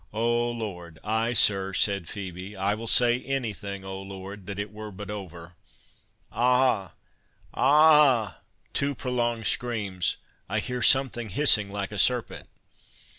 "Oh, Lord—ay, sir," said Phœbe, "I will say any thing, Oh, Lord, that it were but over!—Ah! ah!"—(two prolonged screams)—"I hear something hissing like a serpent."